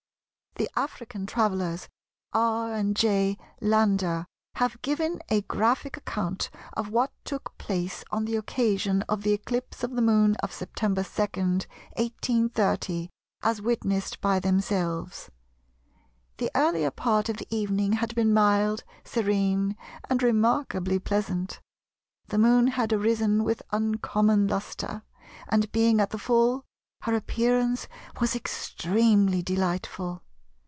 The African travellers, R. and J. Lander, have given a graphic account of what took place on the occasion of the eclipse of the Moon of Sept. 2, 1830, as witnessed by themselves:—"The earlier part of the evening had been mild, serene, and remarkably pleasant. The Moon had arisen with uncommon lustre, and being at the full, her appearance was extremely delightful.